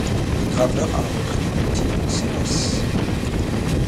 Le graveur a repris le type Cérès.